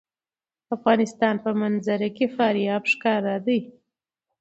د افغانستان په منظره کې فاریاب ښکاره ده.